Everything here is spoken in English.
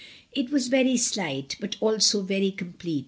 It was very slight, but also very complete.